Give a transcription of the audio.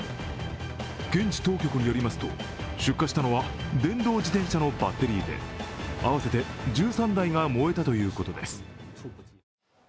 現地当局によりますと出火したのは電動自転車のバッテリーで合わせて１３台が燃えたということです。